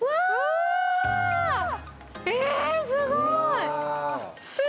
え、すごい。何？